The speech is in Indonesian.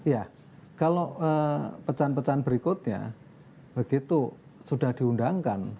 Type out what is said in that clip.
ya kalau pecahan pecahan berikutnya begitu sudah diundangkan